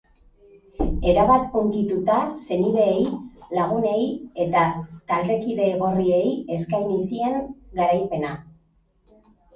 Erabat hunkituta, senideei, lagunei eta taldekide gorriei eskaini zien garaipena.